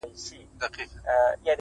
که غاپې نه، لکۍ خو دي دينگه ونيسه.